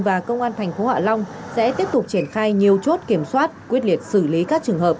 và công an thành phố hạ long sẽ tiếp tục triển khai nhiều chốt kiểm soát quyết liệt xử lý các trường hợp